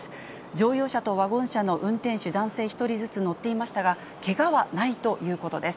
乗用車とワゴン車の運転手、男性１人ずつ乗っていましたが、けがはないということです。